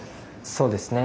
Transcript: そうですね。